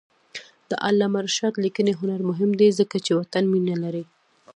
د علامه رشاد لیکنی هنر مهم دی ځکه چې وطن مینه لري.